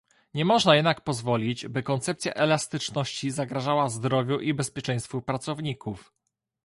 Nie można jednak pozwolić, by koncepcja elastyczności zagrażała zdrowiu i bezpieczeństwu pracowników